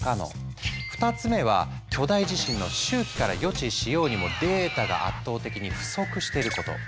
２つ目は巨大地震の周期から予知しようにもデータが圧倒的に不足してること。